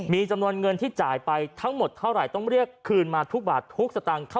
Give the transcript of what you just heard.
มีจำนวนเงินที่จ่ายไปทั้งหมดเท่าไหร่ต้องเรียกคืนมาทุกบาททุกสตางค์